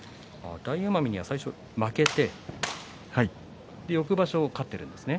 大奄美には最初負けて翌場所勝っているんですね。